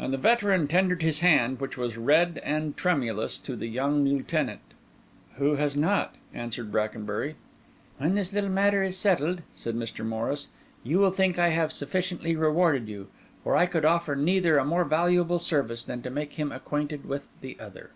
And the veteran tendered his hand, which was red and tremulous, to the young Lieutenant. "Who has not?" answered Brackenbury. "When this little matter is settled," said Mr. Morris, "you will think I have sufficiently rewarded you; for I could offer neither a more valuable service than to make him acquainted with the other."